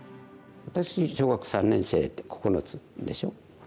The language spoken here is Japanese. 私小学３年生って９つでしょ。